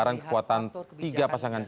baik kita figuring